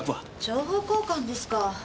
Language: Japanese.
情報交換ですか。